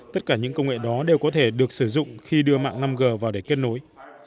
tất cả những công nghệ đó đều có thể được sử dụng khi đưa mạng năm g vào để kết nối